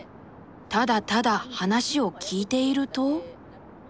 ただただ話を聞いていると。